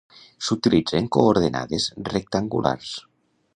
S'utilitzen coordenades rectangulars.